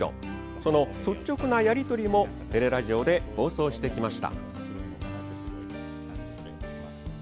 その率直なやり取りも「てれらじお」で放送してきました。